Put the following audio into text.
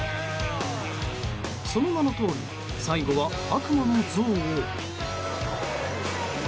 その名のとおり最後は悪魔の像を。